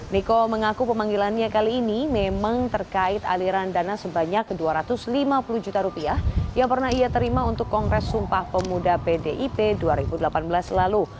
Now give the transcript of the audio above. niko mengaku pemanggilannya kali ini memang terkait aliran dana sebanyak dua ratus lima puluh juta rupiah yang pernah ia terima untuk kongres sumpah pemuda pdip dua ribu delapan belas lalu